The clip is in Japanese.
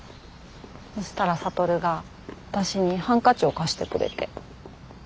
そしたら羽が私にハンカチを貸してくれて。